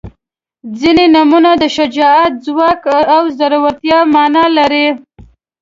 • ځینې نومونه د شجاعت، ځواک او زړورتیا معنا لري.